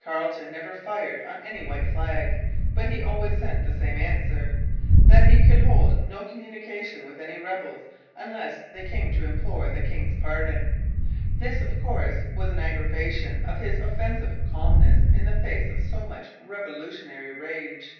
Carleton never fired on any white flag. But he always sent the same answer: that he could hold no communication with any rebels unless they came to implore the king's pardon. This, of course, was an aggravation of his offensive calmness in the face of so much revolutionary rage.